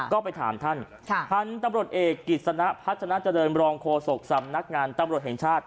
ก็ไปถามท่านพันธุ์ตำรวจเอกกิจสนะพัฒนาเจริญรองโฆษกสำนักงานตำรวจแห่งชาติ